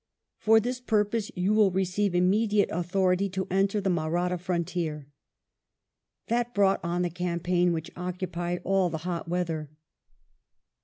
For this purpose you will receive immediate authority to enter the Mahratta frontier." That brought on the campaign whidi occupied all the hot weather.